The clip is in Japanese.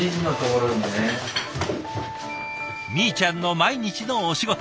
みーちゃんの毎日のお仕事。